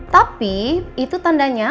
tapi itu tandanya